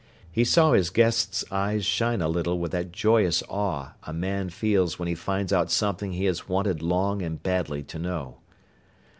He saw his guest's eyes shine a little with that joyous awe a man feels when he finds out something he has wanted long and badly to know.